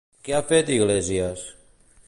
Què ha fet Iglesias?